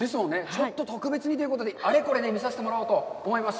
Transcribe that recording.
ちょっと特別にということで、あれこれ見させてもらおうと思います。